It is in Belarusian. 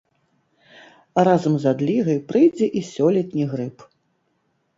А разам з адлігай прыйдзе і сёлетні грып.